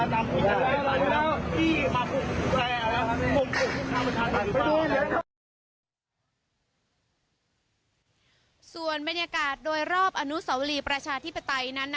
คือมันต้องการใช้รักษาทุกอย่าง